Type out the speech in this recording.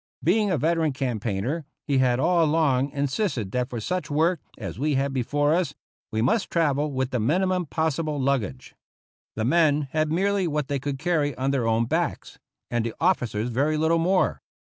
Being a veteran campaigner, he had all along insisted that for such work as we had before us we must travel with the minimum possible luggage. The men had merely what they could carry on their own backs, and the officers very little more.